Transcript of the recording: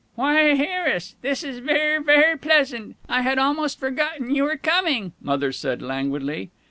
"Why, Harris, this is ver', ver' pleasant. I had almost forgotten you were coming," Mother said, languidly....